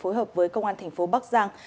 phối hợp với công an thành phố bắc giang